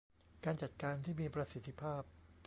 การจัดการที่มีประสิทธิภาพ